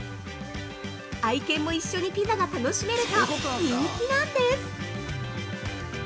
愛犬も一緒にピザが楽しめると人気なんです。